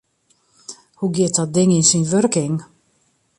Hoe giet dat ding yn syn wurking?